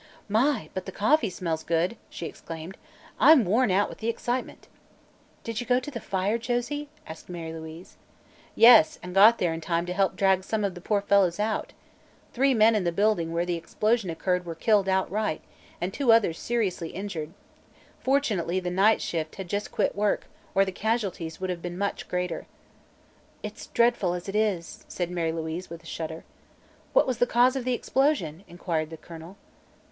"My, but the coffee smells good!" she exclaimed. "I'm worn out with the excitement." "Did you go to the fire, Josie?" asked Mary Louise. "Yes, and got there in time to help drag some of the poor fellows out. Three men in the building where the explosion occurred were killed outright, and two others seriously injured. Fortunately the night shift had just quit work or the casualties would have been much greater." "It's dreadful, as it is," said Mary Louise with a shudder. "What was the cause of the explosion!" inquired the colonel.